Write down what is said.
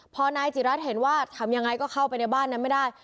พอนายจิรัตน์เห็นว่าทำยังไงก็เข้าไปในบ้านนั้นไม่ได้